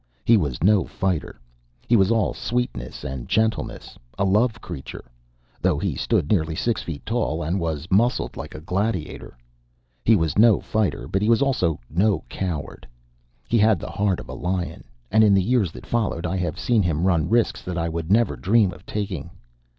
He was no fighter. He was all sweetness and gentleness, a love creature, though he stood nearly six feet tall and was muscled like a gladiator. He was no fighter, but he was also no coward. He had the heart of a lion; and in the years that followed I have seen him run risks that I would never dream of taking.